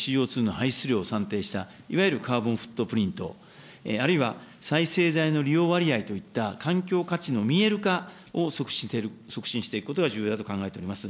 排出量算定した、いわゆるカーボンフットプリント、あるいは再生材の利用割合といった環境価値の見える化を促進していくことが重要だと考えております。